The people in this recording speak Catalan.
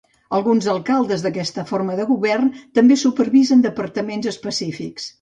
Alguns alcaldes d'aquesta forma de govern també supervisen departaments específics.